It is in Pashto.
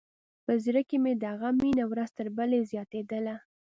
په زړه کښې مې د هغه مينه ورځ تر بلې زياتېدله.